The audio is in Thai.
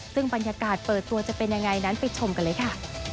ซึ่งบรรยากาศเปิดตัวจะเป็นยังไงนั้นไปชมกันเลยค่ะ